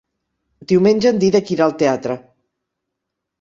Diumenge en Dídac irà al teatre.